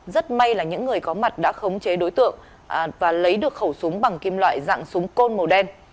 rất may là những người có mặt đã khống chế đối tượng và lấy được khẩu súng bằng kim loại dạng súng côn màu đen